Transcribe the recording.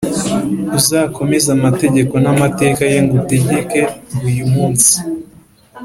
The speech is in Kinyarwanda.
Uzakomeze amategeko n’amateka ye ngutegeka uyu munsi,